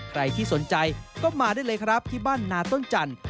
ใครที่สนใจก็มาได้เลยครับที่บ้านนาต้นจันทร์